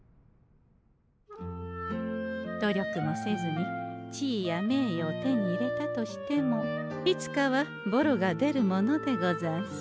努力もせずに地位や名誉を手に入れたとしてもいつかはボロが出るものでござんす。